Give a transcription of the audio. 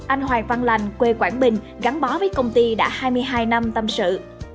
anh hoàng văn lành quê quảng bình gắn bó với công ty đã hai mươi hai năm tâm sự